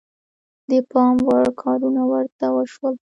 د پام وړ کارونه ورته وشول.